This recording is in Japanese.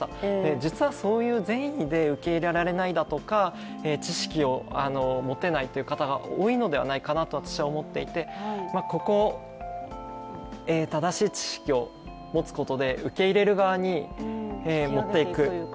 実はそういう善意で受け入れられないだとか、知識を持てないという方が多いのではないかなと私は思っていてここ、正しい知識を持つことで受け入れる側に持っていく。